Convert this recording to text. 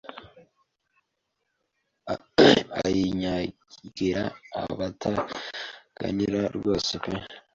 Ayinyagira Abataganira rwose pe